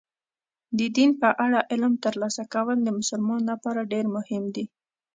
د دین په اړه علم ترلاسه کول د مسلمان لپاره ډېر مهم دي.